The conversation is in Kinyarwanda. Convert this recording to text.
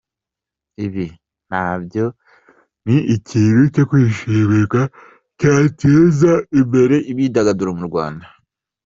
Ibi nabyo ni ikintu cyo kwishimirwa, cyanateza imbere imyidagaduro mu Rwanda.